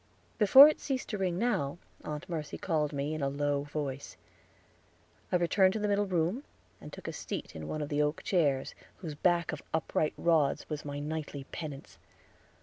Before it ceased to ring now Aunt Mercy called me in a low voice. I returned to the middle room, and took a seat in one of the oak chairs, whose back of upright rods was my nightly penance.